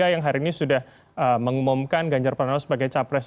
yang hari ini sudah mengumumkan ganjar pranowo sebagai capres